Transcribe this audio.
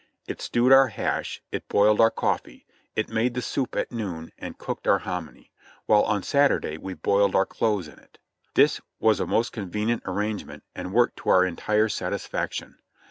It stewed our hash, it boiled our cofifee, it made the soup at noon and cooked our hominy, while on Saturday we boiled our clothes in it. This was a most convenient arrangement and worked to our entire satisfaction.